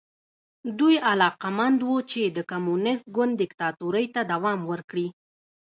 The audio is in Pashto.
دوی علاقمند وو چې د کمونېست ګوند دیکتاتورۍ ته دوام ورکړي.